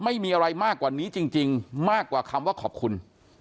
ไม่มีอะไรมากกว่านี้จริงมากกว่าคำว่าขอบคุณ